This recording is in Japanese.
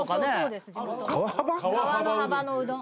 川の幅のうどん。